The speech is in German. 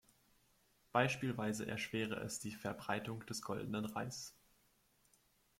Beispielsweise erschwere es die Verbreitung des Goldenen Reis.